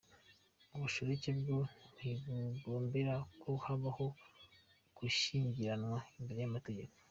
Ubushoreke bwo ntibugombera ko habaho gushyingiranwa imbere y’amategeko.